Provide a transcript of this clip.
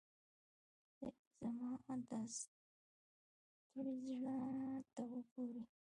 خدای دي زما دا ستړي زړۀ ته وګوري.